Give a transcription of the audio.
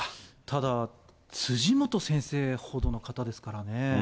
ただ、辻元先生ほどの方ですからね。